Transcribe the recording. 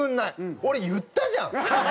俺言ったじゃん！